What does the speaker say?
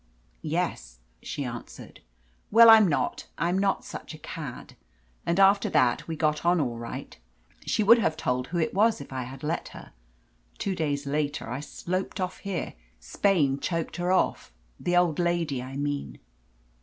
'Yes,' she answered. 'Well, I'm not. I'm not such a cad.' And after that we got on all right. She would have told who it was if I had let her. Two days later I sloped off here. Spain choked her off the old lady, I mean."